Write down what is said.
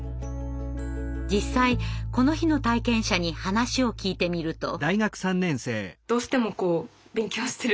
実際この日の体験者に話を聞いてみると。